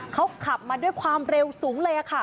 เขาขับมาด้วยความเร็วสูงเลยค่ะ